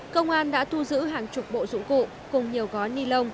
công an đã thu giữ hàng chục bộ dụng cụ cùng nhiều gói ni lông